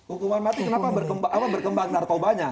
hukuman mati kenapa berkembang narkobanya